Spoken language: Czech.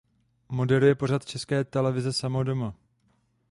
Moderuje pořad České televize "Sama doma".